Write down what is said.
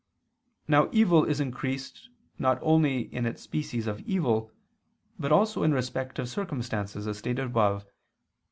Now evil is increased not only in its species of evil, but also in respect of circumstances, as stated above (Q.